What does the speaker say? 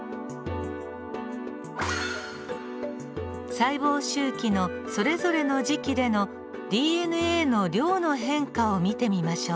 細胞周期のそれぞれの時期でのＤＮＡの量の変化を見てみましょう。